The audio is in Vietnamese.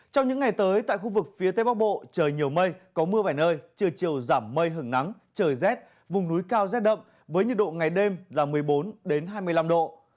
trong những ngày tới tại khu vực phía tây bắc bộ trời nhiều mây có mưa vài nơi trưa chiều giảm mây hứng nắng trời rét vùng núi cao rét đậm với nhiệt độ ngày đêm là một mươi bốn hai mươi năm độ